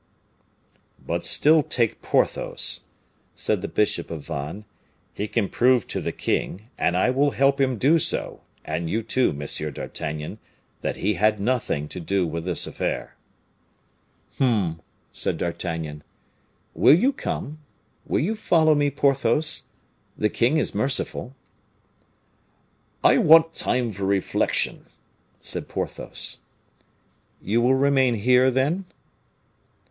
"But still take Porthos," said the bishop of Vannes. "He can prove to the king, and I will help him do so, and you too, Monsieur d'Artagnan, that he had nothing to do with this affair." "Hum!" said D'Artagnan. "Will you come? Will you follow me, Porthos? The king is merciful." "I want time for reflection," said Porthos. "You will remain here, then?"